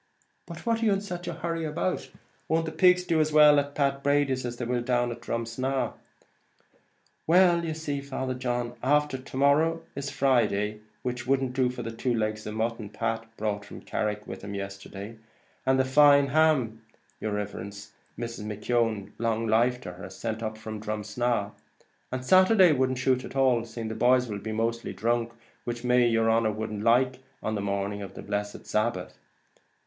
"But what are you in such a hurry about? Won't the pigs do as well at Pat Brady's as they will down at Drumsna?" "Why you see, Father John, after to morrow is Friday, which wouldn't do for the two legs of mutton Pat brought from Carrick with him yesterday, and the fine ham, yer riverence, Mrs. McKeon, long life to her, has sent us up from Drumsna; and Saturday wouldn't shute at all, seeing the boys will mostly be dhrunk, which may be yer honer wouldn't like on the morning of the blessed Sabbath."